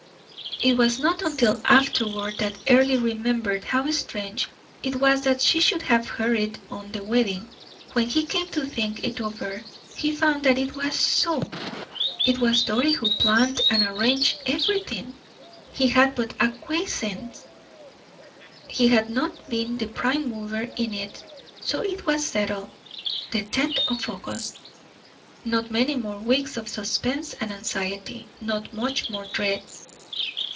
It was not until afterward that Earle remembered how strange it was that she should have hurried on the wedding; when he came to think it over, he found that it was so. It was Doris who planned and arranged everything; he had but acquiesced, he had not been the prime mover in it. So it was settled the tenth of August; not many more weeks of suspense and anxiety, not much more dread.